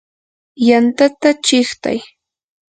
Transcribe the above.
yantata chiqtay.